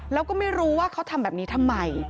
แล้วก็ไม่รู้ว่าเขาทำแบบนี้ทำไม